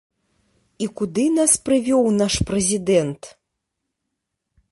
І куды нас прывёў наш прэзідэнт?